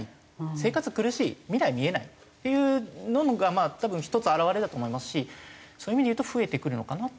生活苦しい未来見えないっていうのが多分１つ表れだと思いますしそういう意味でいうと増えてくるのかなっていうのは。